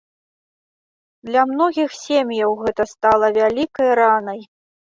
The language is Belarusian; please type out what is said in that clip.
Для многіх сем'яў гэта стала вялікай ранай.